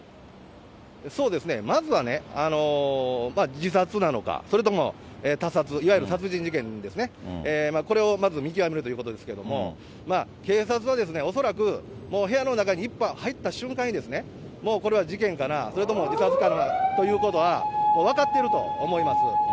そうですね、まずは自殺なのか、それとも他殺、いわゆる殺人事件ですね、これをまず見極めるということですけれども、警察は、恐らく、部屋の中に一歩入った瞬間に、もうこれは事件かな、それとも自殺かなということは、分かっていると思います。